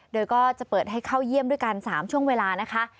โดยก็จะเปิดให้เข้าเยี่ยมด้วยกัน๓ช่วงเวลานะคะ